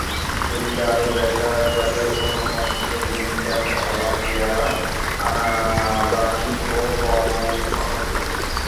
ছবিতে আরো দেখা যাবে অনুপম খের, ভূমিকা চাওলা, কিয়ারা আনভানি প্রমুখকে।